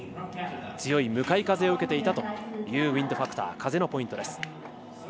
強い向かい風を受けていたというウインドファクター風のポイントです。